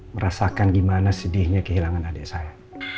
merasakan gimana sedihnya kehilangan adik saya